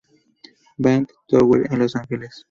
Bank Tower en Los Ángeles.